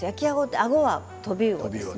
あごはトビウオです。